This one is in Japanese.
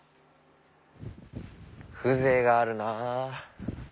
風情があるな。